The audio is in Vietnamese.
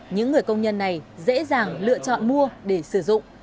những người công nhân này dễ dàng lựa chọn mua để sử dụng